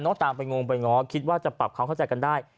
ตามไปงงไปง้อคิดว่าจะปรับความเข้าใจกันได้